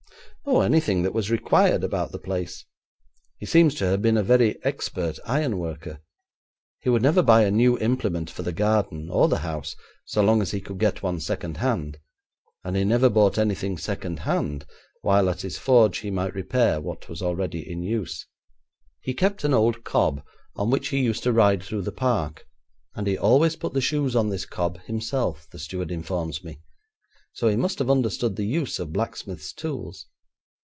'Oh, anything that was required about the place. He seems to have been a very expert ironworker. He would never buy a new implement for the garden or the house so long as he could get one second hand, and he never bought anything second hand while at his forge he might repair what was already in use. He kept an old cob, on which he used to ride through the park, and he always put the shoes on this cob himself, the steward informs me, so he must have understood the use of blacksmith's tools.